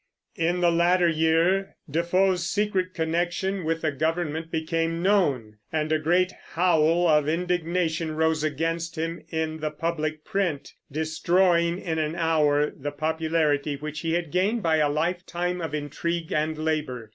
In the latter year Defoe's secret connection with the government became known, and a great howl of indignation rose against him in the public print, destroying in an hour the popularity which he had gained by a lifetime of intrigue and labor.